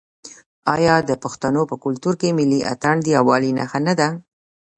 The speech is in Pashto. آیا د پښتنو په کلتور کې ملي اتن د یووالي نښه نه ده؟